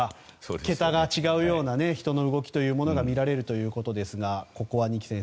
桁が違う人の動きが見られるということですがここは二木先生